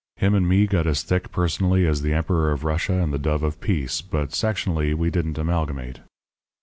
Him and me got as thick personally as the Emperor of Russia and the dove of peace, but sectionally we didn't amalgamate.